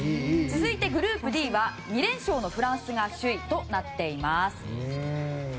続いてグループＤは２連勝のフランスが首位となっています。